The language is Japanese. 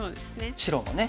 白もね。